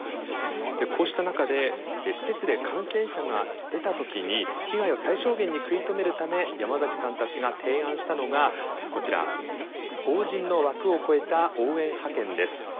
こうした中で施設で感染者が出た時に被害を最小限に食い止めるため山崎さんたちが提案したのがこちら法人の枠を超えた応援派遣です。